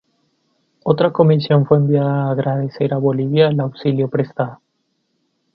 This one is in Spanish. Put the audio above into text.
Otra comisión fue enviada a agradecer a Bolivia el auxilio prestado.